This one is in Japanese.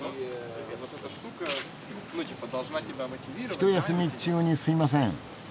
ひと休み中にすいません。